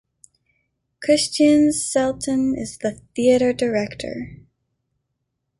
Kristian Seltun is the Theater Director.